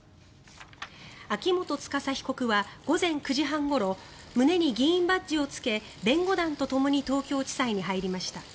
秋元司被告は午前９時半ごろ胸に議員バッジをつけ弁護団とともに東京地裁に入りました。